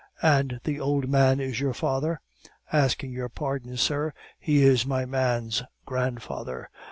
"And that old man is your father?" "Asking your pardon, sir, he is my man's grandfather.